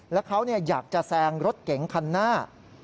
แล้วเขาอยากจะแซงรถเก๋งคันหน้า